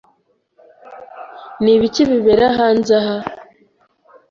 Ni ibiki bibera hanze aha?